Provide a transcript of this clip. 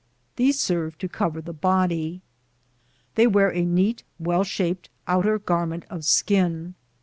These serve to cover the body. They wear a neat well shaped outer garment of skin.